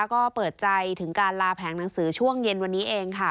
ก็เปิดใจถึงการลาแผงหนังสือช่วงเย็นวันนี้เองค่ะ